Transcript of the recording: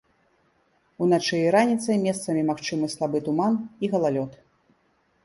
Уначы і раніцай месцамі магчымы слабы туман і галалёд.